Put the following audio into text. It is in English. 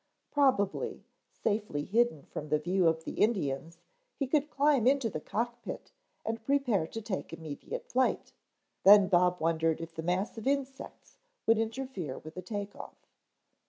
Probably, safely hidden from the view of the Indians he could climb into the cock pit and prepare to take immediate flight, then Bob wondered if the mass of insects would interfere with a take off.